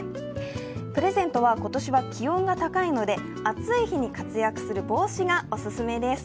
プレゼントは今年は気温が高いので暑い日に活躍する帽子がオススメです。